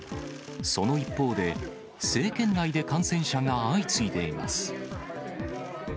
その一方で、政権内で感染者が相次いでいます。